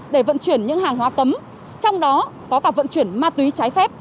để vận chuyển những hàng hóa cấm trong đó có cả vận chuyển ma túy trái phép